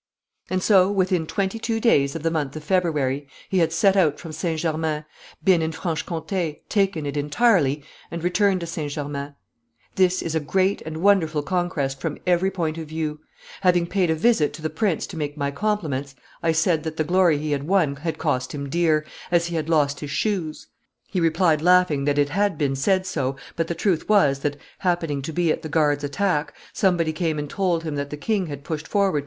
And so, within twenty two days of the month of February, he had set out from St. Germain, been in Franche Comte, taken it entirely, and returned to St. Germain. This is a great and wonderful conquest from every point of view. Having paid a visit to the prince to make my compliments, I said that the glory he had won had cost him dear, as he had lost his shoes; he replied, laughing, that it had been said so, but the truth was, that, happening to be at the guards' attack, somebody came and told him that the king had pushed forward to M.